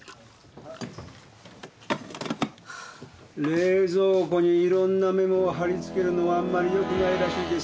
冷蔵庫にいろんなメモを張り付けるのはあんまり良くないらしいですよ。